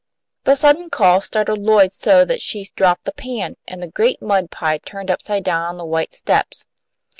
The sudden call startled Lloyd so that she dropped the pan, and the great mud pie turned upside down on the white steps.